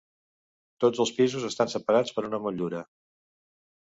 Tots els pisos estan separats per una motllura.